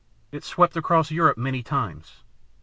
It swept across Europe many times.